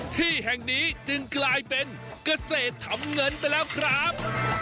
ที่แห่งนี้จึงกลายเป็นเกษตรทำเงินไปแล้วครับ